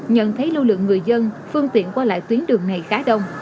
nhận thấy lưu lượng người dân phương tiện qua lại tuyến đường này khá đông